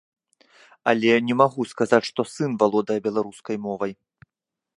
Але не магу сказаць, што сын валодае беларускай мовай.